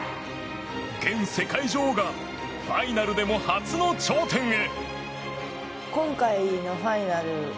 現世界女王がファイナルでも初の頂点へ！